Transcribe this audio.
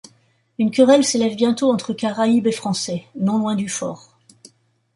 Une querelle s’élève bientôt entre Caraïbes et Français, non loin du fort.